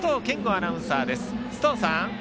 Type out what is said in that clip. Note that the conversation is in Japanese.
アナウンサーです。